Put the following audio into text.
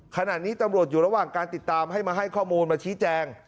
ขณะนี้ตำรวจอยู่ระหว่างการติดตามให้มาให้ข้อมูลมาชี้แจง